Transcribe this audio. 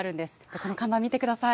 この看板見てください。